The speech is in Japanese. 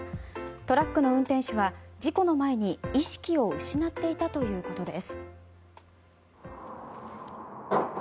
トラックの運転手は事故の前に意識を失っていたということです。